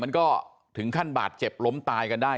มันก็ถึงขั้นบาดเจ็บล้มตายกันได้